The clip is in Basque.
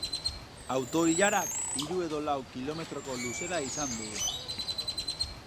Auto-ilarak hiru edo lau kilometroko luzera izan du.